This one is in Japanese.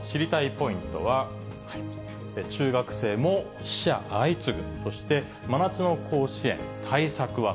ポイントは、中学生も死者相次ぐ、そして真夏の甲子園、対策は？